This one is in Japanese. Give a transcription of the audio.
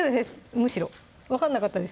むしろ分かんなかったです